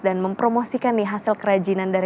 dan mempromosikan hasil kerajinan dari